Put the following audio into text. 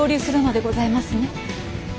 ございますね。